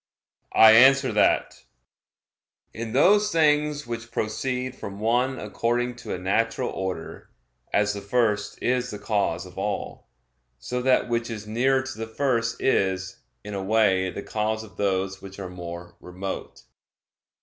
I answer that, In those things which proceed from one according to a natural order, as the first is the cause of all, so that which is nearer to the first is, in a way, the cause of those which are more remote.